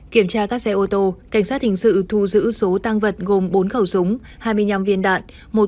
kiểm tra các xe ô tô cảnh sát hình sự thu giữ số tăng vật gồm bốn khẩu súng hai mươi năm viên đạn